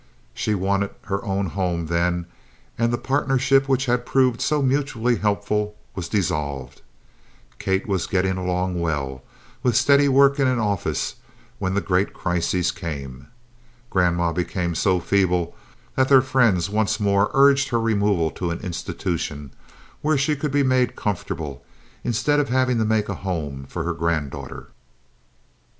She wanted her own home then, and the partnership which had proved so mutually helpful was dissolved. Kate was getting along well, with steady work in an office, when the great crisis came. Grandma became so feeble that their friends once more urged her removal to an institution, where she could be made comfortable, instead of having to make a home for her granddaughter.